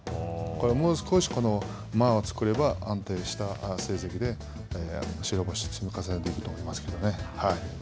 もう少し間を作れば、安定した成績で白星を積み重ねていくと思いますけどね。